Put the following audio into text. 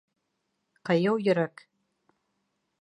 — Ҡыйыу йөрәк...